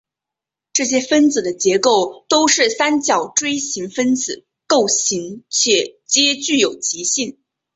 这些分子的结构都是三角锥形分子构型且皆具有极性。